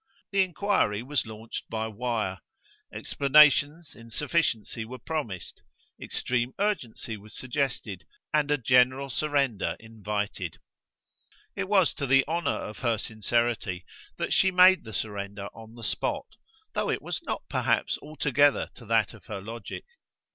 The enquiry was launched by wire; explanations, in sufficiency, were promised; extreme urgency was suggested and a general surrender invited. It was to the honour of her sincerity that she made the surrender on the spot, though it was not perhaps altogether to that of her logic.